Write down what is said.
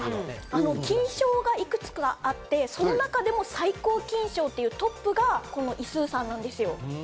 金賞がいくつかあって、その中でも最高金賞というトップがこのイスウさんなんです。